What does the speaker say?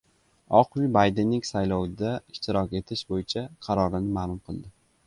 Oq uy Baydenning saylovda ishtirok etish bo‘yicha qarorini ma’lum qildi